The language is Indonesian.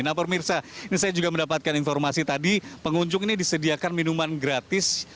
nah pemirsa ini saya juga mendapatkan informasi tadi pengunjung ini disediakan minuman gratis